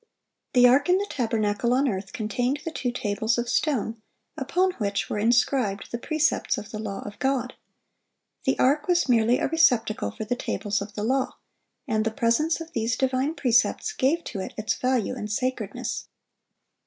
The ark in the tabernacle on earth contained the two tables of stone, upon which were inscribed the precepts of the law of God. The ark was merely a receptacle for the tables of the law, and the presence of these divine precepts gave to it its value and sacredness.